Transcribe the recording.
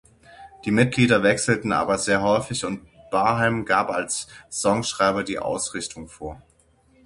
Die Mitglieder wechselten aber sehr häufig und Barham gab als Songschreiber die Ausrichtung vor.